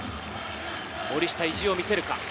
森下、意地を見せるか？